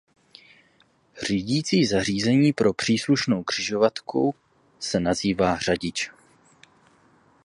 Řídící zařízení pro příslušnou křižovatku se nazývá řadič.